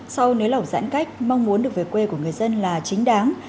sau nới lỏng giãn cách mong muốn được về quê của người dân là chính đáng